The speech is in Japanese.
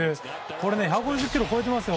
これ、１５０キロ超えてますよ。